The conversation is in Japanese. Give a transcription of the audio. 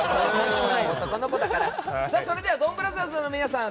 それではドンブラザーズの皆さん